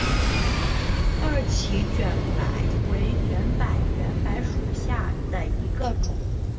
二歧卷柏为卷柏科卷柏属下的一个种。